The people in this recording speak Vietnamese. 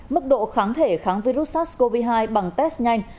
mức độ kháng thể kháng virus sars cov hai bằng test nhanh